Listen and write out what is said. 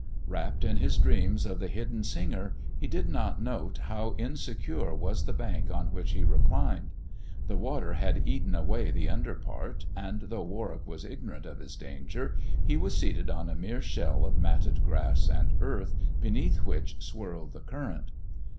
Wrapped in his dreams of the hidden singer, he did not note how insecure was the bank on which he reclined. The water had eaten away the under part, and though Warwick was ignorant of his danger, he was seated on a mere shell of matted grass and earth, beneath which swirled the current.